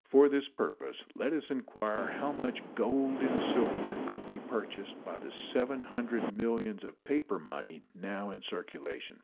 For this purpose let us inquire how much gold and silver could be purchased by the seven hundred millions of paper money now in circulation.